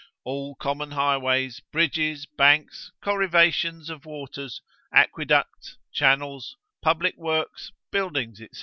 All common highways, bridges, banks, corrivations of waters, aqueducts, channels, public works, buildings, &c.